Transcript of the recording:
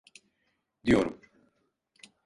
Diyorum.